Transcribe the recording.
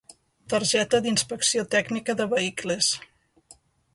Targeta d'Inspecció Tècnica de Vehicles.